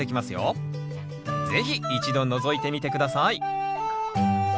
是非一度のぞいてみて下さい。